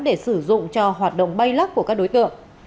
do hoạt động bay lắc của các đối tượng